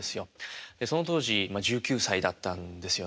でその当時１９歳だったんですよね。